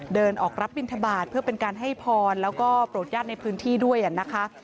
เดินออกรับบินทบาทเพื่อเป็นการให้พรแล้วก็โปรดญาติในพื้นที่ด้วยนะคะ